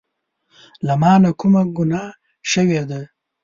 له مانه کومه ګناه شوي ده